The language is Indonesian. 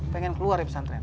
pengen keluar ya pesantren